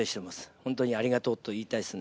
本当にありがとうと言いたいですね。